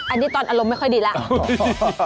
อันนี้ตอนอารมณ์ไม่ค่อยดีแล้ว